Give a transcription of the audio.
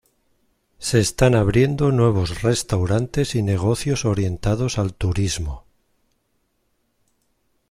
Se están abriendo nuevos restaurantes y negocios orientados al turismo.